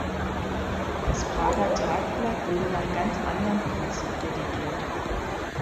Das Prager Tagblatt wurde nach ganz anderm Prinzip redigiert.